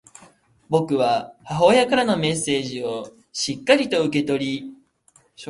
僕は母親からのメッセージをしっかりと受け取り、